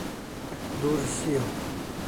Ek dur shiau